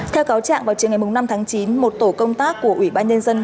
theo cáo trạng vào trường ngày năm tháng chín một tổ công tác của ủy ban nhân dân